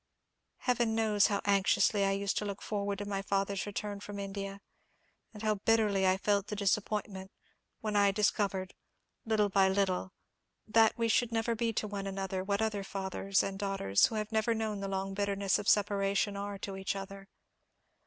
Heaven knows how anxiously I used to look forward to my father's return from India, and how bitterly I felt the disappointment when I discovered, little by little, that we should never be to one another what other fathers and daughters, who have never known the long bitterness of separation, are to each other.